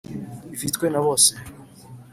ifitwe na bose